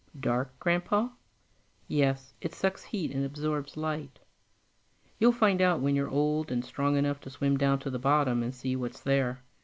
"Dark, Grandpa?" "Yes, it sucks heat and absorbs light. You'll find out when you're old and strong enough to swim down to the bottom and see what's there.